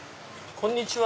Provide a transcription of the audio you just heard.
こんにちは。